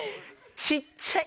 小っちゃい！